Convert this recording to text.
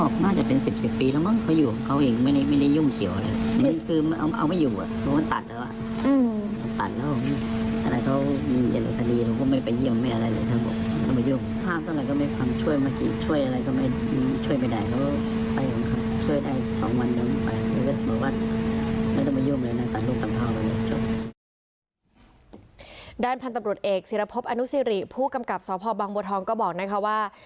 พันธุ์ตำรวจเอกศิรพบอนุสิริผู้กำกับสพบังบัวทองก็บอกนะคะว่า